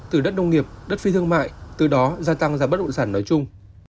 từ đất nông nghiệp đất phi thương mại từ đó gia tăng giá bất động sản nói chung